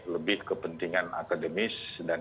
lebih kepentingan akademis dan